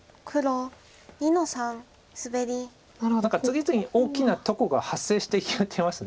次々に大きなとこが発生してきてます。